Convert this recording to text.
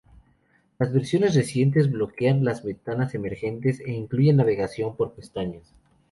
Las versiones recientes bloquean las ventanas emergentes e incluyen navegación por pestañas.